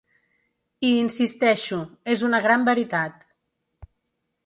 Hi insisteixo, és una gran veritat.